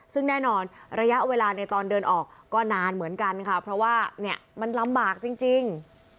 ซึ่งแน่นอนระยะเวลาในตอนเดินออกก็นานเหมือนกันค่ะเพราะว่าเนี่ยมันลำบากจริง